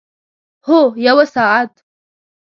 هو، یوه ساعت